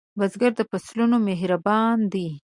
بزګر د فصلونو مهربان دی